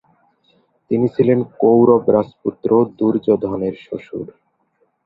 তিনি ছিলেন "কৌরব রাজপুত্র দুর্যোধনের" শ্বশুর।